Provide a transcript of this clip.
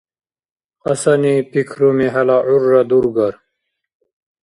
Кьасани-пикруми хӀела гӀурра дургар?